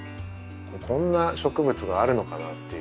こんな植物があるのかなっていう。